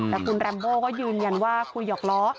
แต่คุณแรมโบก็ยืนยันว่าคุยหยอกล้อ